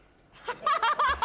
ハハハハ！